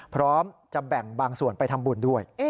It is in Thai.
พร้อมจะแบ่งบางส่วนไปทำบุญด้วย